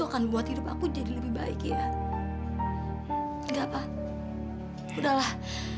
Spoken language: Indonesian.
comunikasi dengan ayah